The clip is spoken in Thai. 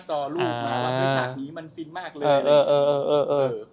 ชากนี้มันฟินมากเลย